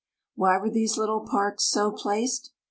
Why were these little parks so placed?